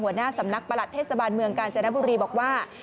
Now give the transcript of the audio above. หัวหน้าสำนักประหลัดเทศบาลเมืองกาญจนบุรีบอกว่า